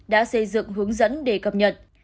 đã xây dựng hướng dẫn để cập nhật